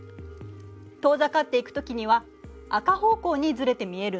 遠ざかっていくときには赤方向にずれて見えるの。